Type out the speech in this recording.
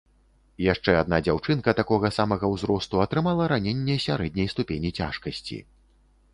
Яшчэ адна дзяўчынка такога самага ўзросту атрымала раненне сярэдняй ступені цяжкасці.